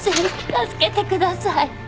助けてください。